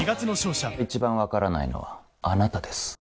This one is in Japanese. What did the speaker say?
一番分からないのはあなたです。